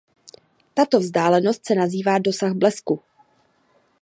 Tato vzdálenost se nazývá dosah blesku.